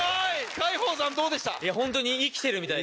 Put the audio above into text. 海宝さんどうでした？